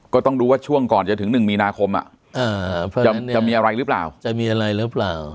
ก็ต้องดูว่าช่วงก่อนจะถึง๑มีนาคมจะมีอะไรหรือเปล่า